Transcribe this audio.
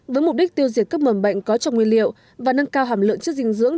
với mục đích tiêu diệt các mầm bệnh có trong nguyên liệu và nâng cao hàm lượng chất dinh dưỡng